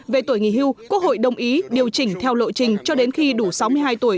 về tuổi nghỉ hưu quốc hội đồng ý điều chỉnh theo lộ trình cho đến khi đủ sáu mươi hai tuổi